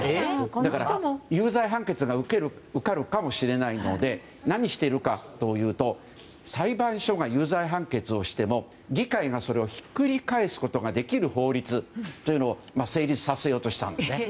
だから、有罪判決を受けるかもしれないので何しているかというと裁判所が有罪判決をしても議会が、それをひっくり返すことができる法律を成立させようとしたんですね。